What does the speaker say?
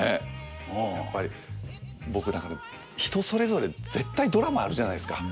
やっぱり僕だから人それぞれ絶対ドラマあるじゃないですか。